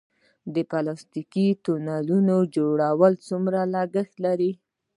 د پلاستیکي تونلونو جوړول څومره لګښت لري؟